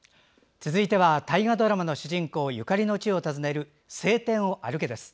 続いては大河ドラマの主人公ゆかりの地を訪ねる「青天を歩け！」です。